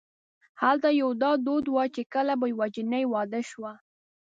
هلته یو دا دود و چې کله به یوه جنۍ واده شوه.